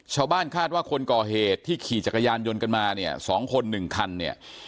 ชาวบ้านคาดว่าคนก่อเหตุที่ขี่จักรยานยนต์กันมาเนี่ย๒คน๑คันเนี่ย